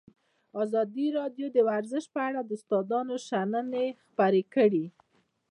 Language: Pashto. ازادي راډیو د ورزش په اړه د استادانو شننې خپرې کړي.